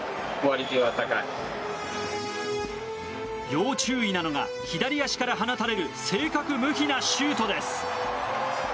要注意なのが左足から放たれる正確無比なシュートです。